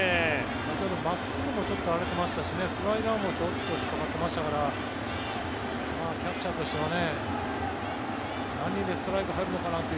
先ほど真っすぐもちょっと荒れてましたしスライダーもちょっと引っかかってましたからキャッチャーとしては何でストライク入るのかなって。